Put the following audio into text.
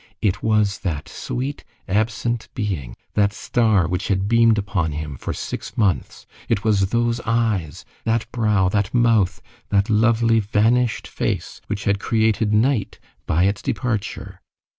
It was that sweet, absent being, that star which had beamed upon him for six months; it was those eyes, that brow, that mouth, that lovely vanished face which had created night by its departure.